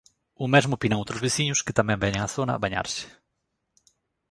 O mesmo opinan outros veciños que tamén veñen á zona bañarse.